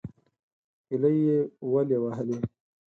_هيلۍ يې ولې وهلې؟